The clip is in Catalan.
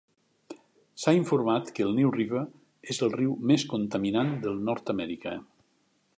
S"ha informat que el New River és el riu més contaminant de Nord-Amèrica.